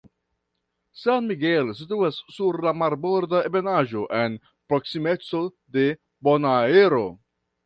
San Miguel situas sur la marborda ebenaĵo en proksimeco de Bonaero.